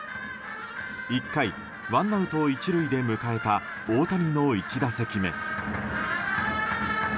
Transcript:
１回、ワンアウト１塁で迎えた大谷の１打席目。